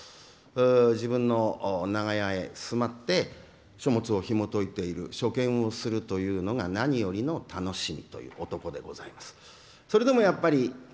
自分の長屋へ住まって書物をひもといている書見をするというのが何よりの楽しみという男でございます。